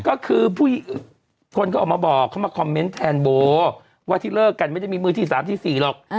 ก็คือคนก็ออกมาบอกเขามาคอมเมนต์แทนโบว่าที่เลิกกันไม่ได้มีมือที่๓ที่๔หรอก